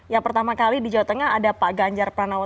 ya pertama kali di jawa tengah ada pak ganjar pranowo